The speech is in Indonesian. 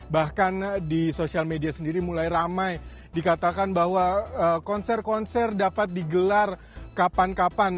bahkan di sosial media sendiri mulai ramai dikatakan bahwa konser konser dapat digelar kapan kapan